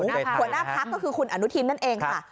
หัวหน้าพักก็คือคุณอนุทินนั่นเองค่ะ